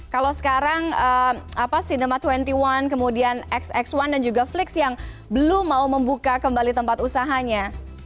kalau sekarang sinema dua puluh satu kemudian xx satu dan juga flix yang belum mau membuka kembali tempat usahanya